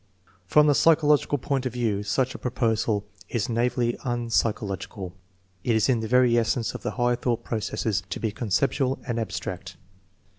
From the psychological point of view, such a proposal is naively unpsychological. It is in the very essence of the higher thought processes to be conceptual and abstract.